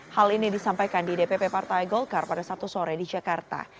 hal ini disampaikan di dpp partai golkar pada sabtu sore di jakarta